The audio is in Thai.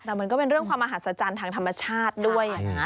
มันก็เป็นเรื่องความอาหารสรรณทางธรรมชาติด้วยนะ